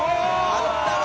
「あったわ！